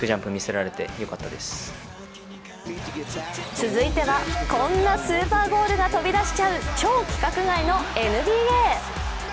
続いては、こんなスーパーゴールが飛び出しちゃう超規格外のＮＢＡ。